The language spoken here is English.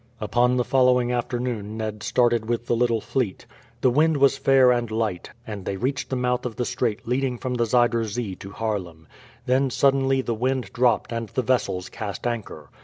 Upon the following afternoon Ned started with the little fleet. The wind was fair and light, and they reached the mouth of the strait leading from the Zuider Zee to Haarlem. Then suddenly the wind dropped and the vessels cast anchor.